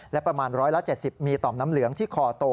และประมาณ๑๗๐มีต่อมน้ำเหลืองที่คอโต